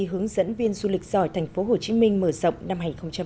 hướng dẫn viên du lịch giỏi tp hcm mở rộng năm hai nghìn một mươi chín